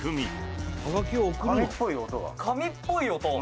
「紙っぽい音？」